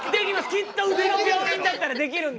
きっとうちの病院だったらできるんで！